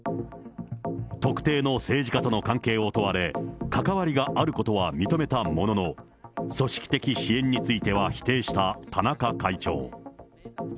特定の政治家との関係を問われ、関わりがあることは認めたものの、組織的支援については否定した田中会長。